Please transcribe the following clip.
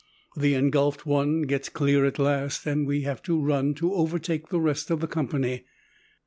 The engulfed one gets clear at last, and we have to run to overtake the rest of the company.